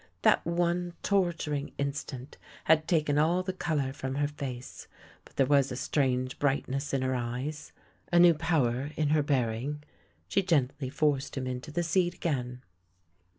That one torturing instant had taken all the colour from her face, but there was a strange brightness in her eyes, a new power in her bearing. She gently forced him into the seat again.